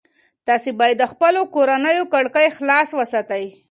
تاسي باید د خپلو کورونو کړکۍ خلاصې وساتئ.